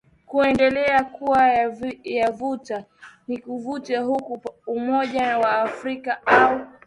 kuendelea kuwa ya vuta nikuvute huku umoja wa afrika au